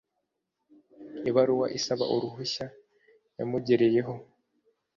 ibaruwa isaba uruhushya yamugereyeho